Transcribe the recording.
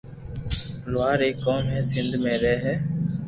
لوھار ايڪ قوم ھي سندھ مي رھي ھي